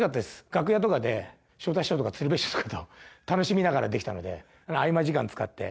楽屋とかで昇太師匠とか鶴瓶師匠とかと楽しみながらできたので合間時間使って。